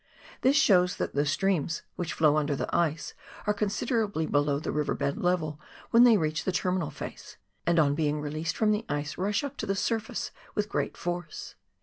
This shows that the streams which flow under the ice are considerably below the river bed level when they reach the terminal face, and on being released from the ice rush up to the surface with great force.